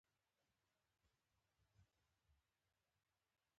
ټرکونه درانه مالونه انتقالوي.